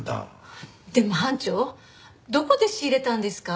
でも班長どこで仕入れたんですか？